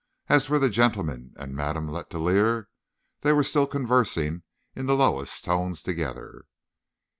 As for the gentleman and Madame Letellier, they were still conversing in the lowest tones together.